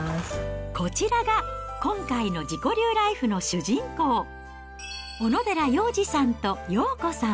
こちらが、今回の自己流ライフの主人公、小野寺洋治さんと洋子さん。